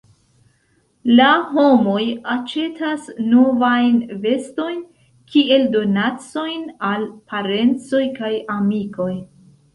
La homoj aĉetas novajn vestojn kiel donacojn al parencoj kaj amikoj.